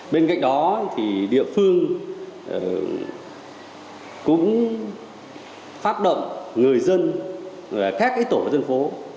bên cạnh đó địa phương cũng phát động người dân các tổ dân phố